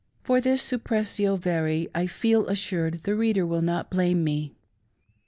For this suppressio vert I feel assured the reader will not blame me.